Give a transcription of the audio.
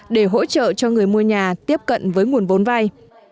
để hỗ trợ cho người mua nhà tiếp cận với nguồn vốn vay